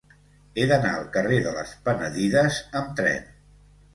He d'anar al carrer de les Penedides amb tren.